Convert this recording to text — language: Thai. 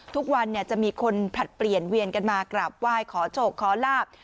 ทุกวันจะมีคนผลัดเปลี่ยนเวียนกันมากราบไหว้ขอโชคขอลาบ